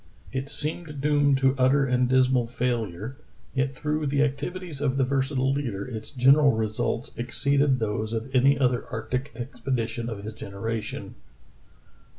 It seemed doomed to utter and dismal failure, yet through the activities of the versatile leader its gen eral results exceeded those of any other arctic expedi tion of his generation.